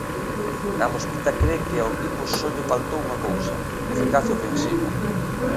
Carlos Pita cre que ao equipo só lle faltou unha cousa; eficacia ofensiva.